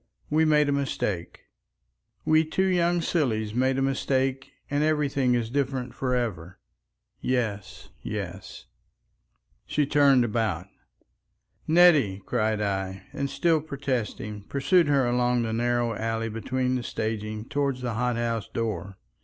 We made a mistake. We two young sillies made a mistake and everything is different for ever. Yes, yes." She turned about. "Nettie!" cried I, and still protesting, pursued her along the narrow alley between the staging toward the hot house door.